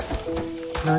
何？